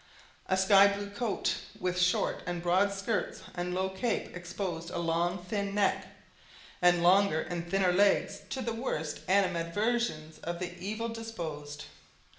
A sky blue coat, with short and broad skirts and low cape, exposed a long, thin neck, and longer and thinner legs, to the worst animadversions of the evil disposed.